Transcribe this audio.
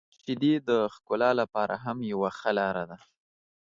• شیدې د ښکلا لپاره هم یو ښه لاره ده.